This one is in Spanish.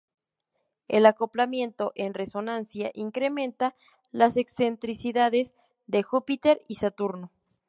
El acoplamiento en resonancia incrementa las excentricidades de Júpiter y Saturno.